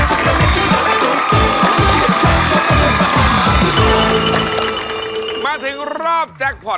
เป่ายิงฉุบมหาสนุกครับ